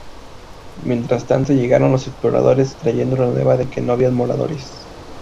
Mientras tanto, llegaron los exploradores, trayendo la nueva de que no había moradores.